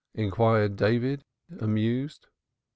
inquired David, amused.